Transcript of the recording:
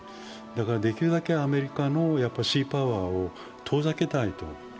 だからできるだけアメリカのシーパワーを遠ざけたい。